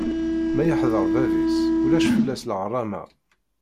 Ma yeḥdeṛ bab-is, ulac fell-as leɣrama.